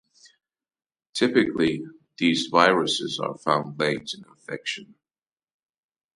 Typically, these viruses are found late in infection.